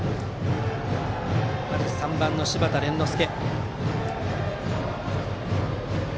まず３番の柴田廉之助。